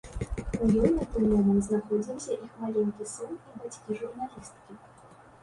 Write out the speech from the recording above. У ёй на той момант знаходзіліся іх маленькі сын і бацькі журналісткі.